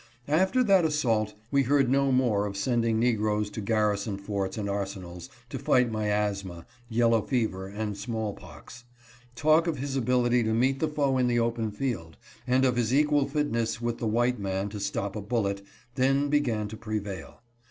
After that assault we heard no more of sending negroes to garrison forts and arsenals, to fight miasma, yellow fever, and small pox. Talk of his ability to meet the foe in the open field, and of his equal fitness with the white man to stop a bullet, then began to prevail.